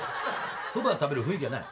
そばを食べる雰囲気じゃない。